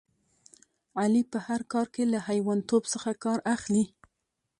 علي په هر کار کې له حیوانتوب څخه کار اخلي.